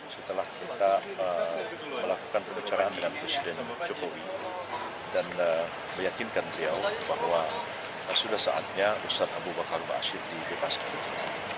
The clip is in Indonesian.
setelah kita melakukan perbicaraan dengan presiden jokowi dan meyakinkan beliau bahwa sudah saatnya ustadz abu bakar basir dibebaskan